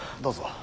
どうぞ。